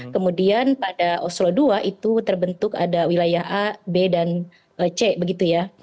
kemudian pada oslo dua itu terbentuk ada wilayah a b dan c begitu ya